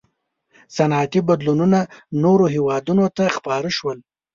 • صنعتي بدلونونه نورو هېوادونو ته خپاره شول.